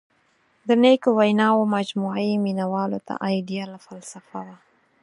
• د نیکو ویناوو مجموعه یې مینوالو ته آیډیاله فلسفه وه.